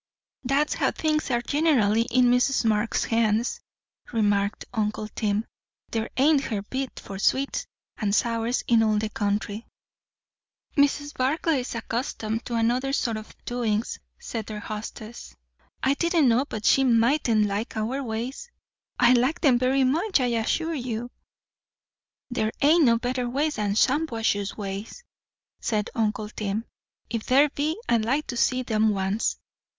"That's how things are gen'ally, in Mrs. Marx's hands," remarked uncle Tim. "There ain't her beat for sweets and sours in all the country." "Mrs. Barclay's accustomed to another sort o' doings," said their hostess. "I didn't know but she mightn't like our ways." "I like them very much, I assure you." "There ain't no better ways than Shampuashuh ways," said uncle Tim. "If there be, I'd like to see 'em once.